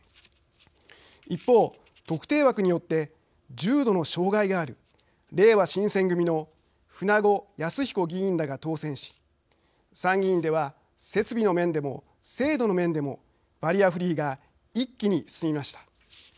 一方特定枠によって重度の障害があるれいわ新選組の舩後靖彦議員らが当選し参議院では設備の面でも制度の面でもバリアフリーが一気に進みました。